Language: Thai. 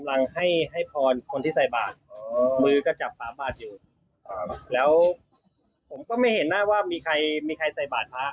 แล้วผมก็ไม่เห็นหน้าว่ามีใครใส่บาทพระ